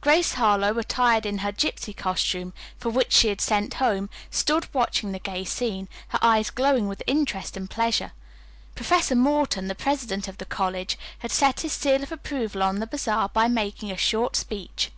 Grace Harlowe, attired in her gypsy costume, for which she had sent home, stood watching the gay scene, her eyes glowing with interest and pleasure. Professor Morton, the president of the college, had set his seal of approval on the bazaar by making a short speech.